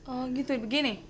oh gitu begini